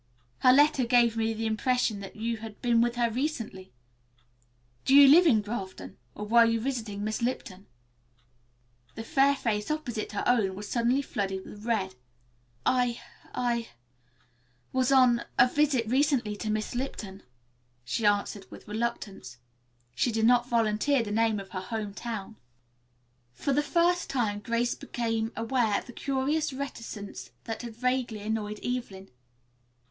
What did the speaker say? Her letter gave me the impression that you had been with her recently. Do you live in Grafton, or were you visiting Miss Lipton?" The fair face opposite her own was suddenly flooded with red. "I I was on a visit recently to Miss Lipton," she answered, with reluctance. She did not volunteer the name of her home town. For the first time Grace became aware of the curious reticence that had vaguely annoyed Evelyn.